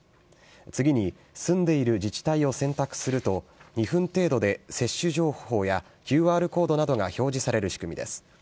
次に住んでいる自治体を選択すると、２分程度で接種情報やＱＲコードなどが表示される仕組みです。